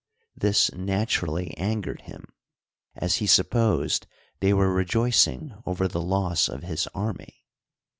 This naturally angered him, as he supposed they were rejoicing over the loss of his army.